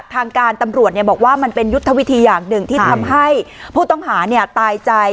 ทางการตำรวจบอกว่ามันเป็นยุทธวิธีอย่างหนึ่งที่ทำให้ผู้ต้องหาตายใจ